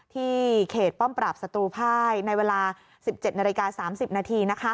ที่เขตป้อมปรับศัตรูภายในเวลา๑๗น๓๐น